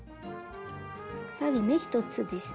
鎖目１つですね。